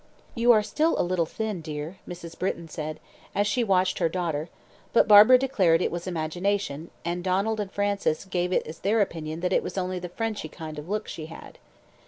"You are still a little thin, dear," Mrs. Britton said, as she watched her daughter; but Barbara declared it was imagination, and Donald and Frances gave it as their opinion that it was only the "Frenchy kind of look she had."